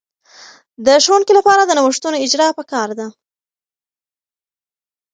د ښوونکې لپاره د نوښتونو اجراء په کار ده.